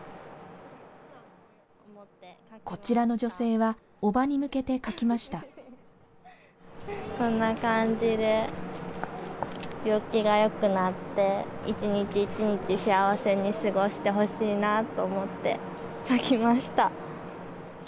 こちらの女性は、こんな感じで、病気がよくなって、一日一日、幸せに過ごしてほしいなと思って、書きました。